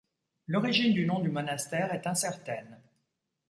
L'origine du nom du monastère est incertaine.